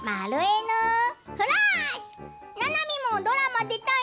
ななみもドラマ出たい！